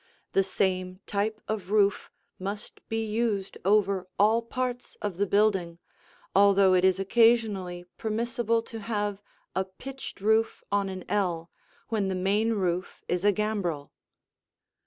The same type of roof must be used over all parts of the building, although it is occasionally permissible to have a pitched roof on an ell when the main roof is a gambrel.